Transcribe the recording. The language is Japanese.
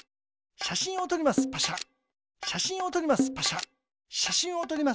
しゃしんをとります。